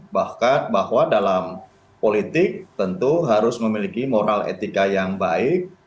bahkan bahwa dalam politik tentu harus memiliki moral etika yang baik